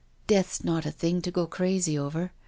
" Death's not a thing to go crazy over.